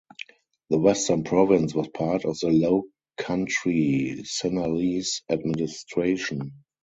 The Western Province was part of the Low Country Sinhalese administration.